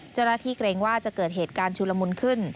เจ้าหน้าที่เกรงว่าจะเกิดเหตุการณ์ชูลมุนขึ้น